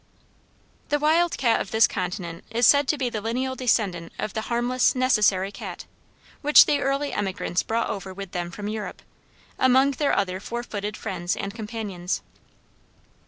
The wild cat of this continent is said to be the lineal descendant of "the harmless, necessary cat," which the early emigrants brought over with them from Europe, among their other four footed friends and companions.